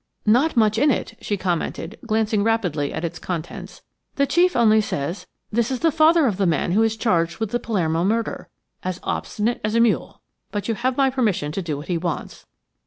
"Not much in it," she commented, glancing rapidly at its contents. "The chief only says, 'This is the father of the man who is charged with the Palermo murder. As obstinate as a mule, but you have my permission to do what he wants.'